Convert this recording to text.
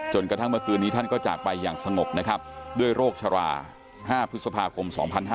กระทั่งเมื่อคืนนี้ท่านก็จากไปอย่างสงบนะครับด้วยโรคชรา๕พฤษภาคม๒๕๕๙